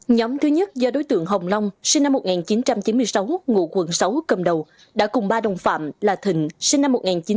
nhóm thứ nhất do đối tượng hồng long sinh năm một nghìn chín trăm chín mươi sáu ngụ quận sáu cầm đầu đã cùng ba đồng phạm là thịnh sinh năm một nghìn chín trăm chín mươi